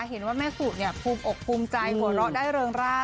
เห็นว่าแม่สุภูมิอกภูมิใจหัวเราะได้เริงร่า